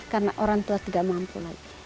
karena orang tua tidak mampu lagi